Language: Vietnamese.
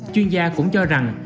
chuyên gia cũng cho rằng